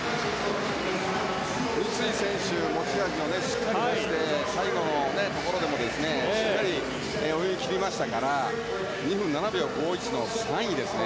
三井選手、持ち味をしっかり出して最後のところでもしっかり泳ぎ切りましたから２分７秒５１の３位ですね。